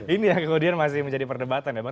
ini yang kemudian masih menjadi perdebatan ya bang